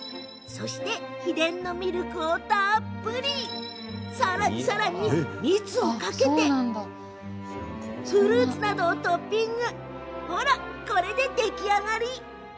そして秘伝のミルクをたっぷりさらに蜜をかけてフルーツなどをトッピングほら、出来上がり。